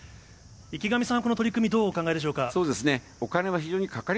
池上さんはこの取り組み、どうお考えでしょうか。